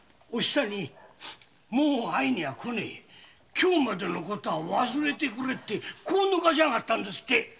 今日までの事は忘れてくれ」ってこうぬかしたんですって。